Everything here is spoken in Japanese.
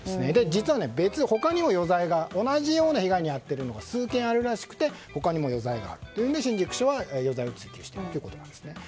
実は、他にも同じような被害に遭っているのが数件あるらしくて他にも余罪があるというので新宿署は余罪を追及しているということです。